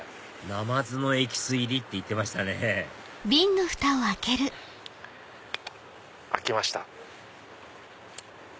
なまずのエキス入りって言ってましたね開きました。